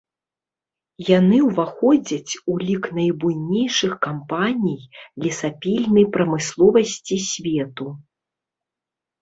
Яны ўваходзяць у лік найбуйнейшых кампаній лесапільны прамысловасці свету.